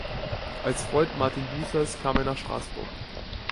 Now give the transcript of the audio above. Als Freund Martin Bucers kam er nach Straßburg.